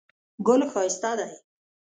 ګل ښایسته دی.